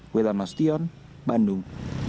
kewilang mastion bandung